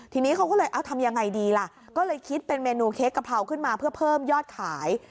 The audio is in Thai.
ทีนี้เขาก็เลยเอาทำยังไงดีล่ะก็เลยคิดเป็นเมนูเค้กกะเพราขึ้นมาเพื่อเพิ่มยอดขาย